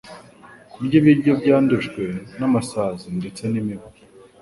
Kurya ibiryo byandujwe n'amasazi ndetse n'imibu